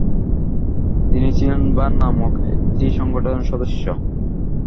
তিনি ছিলেন বা Ազգանուէր հայուհեաց ընկերութիւն নামক একটি সংগঠনের সদস্য।